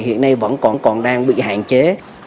hiện nay vẫn còn đang bị hạn chế